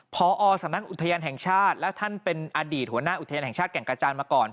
พอสำนักอุทยานแห่งชาติและท่านเป็นอดีตหัวหน้าอุทยานแห่งชาติแก่งกระจานมาก่อน